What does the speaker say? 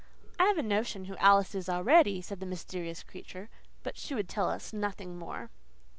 "I have a notion who Alice is already," said the mysterious creature. But she would tell us nothing more.